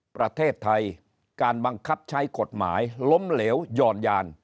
ประเทศไทยการบังคับใช้กฎหมายล้มเหลวย่อนยาน